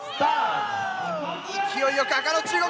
勢いよく赤の中国！